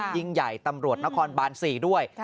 ยิ่งใหญ่ตำรวจนครบาน๔ด้วย